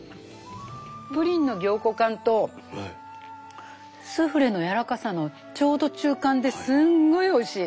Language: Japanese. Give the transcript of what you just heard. プリンの凝固感とスフレのやわらかさのちょうど中間ですんごいおいしい。